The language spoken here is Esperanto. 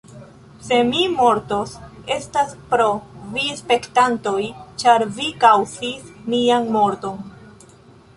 Se mi mortos, estas pro vi spektantoj, ĉar vi kaŭzis mian morton.